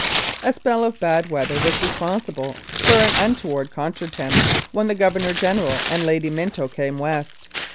A spell of bad weather was responsible for an un toward contretemps when the Governor General and Lady Minto came West.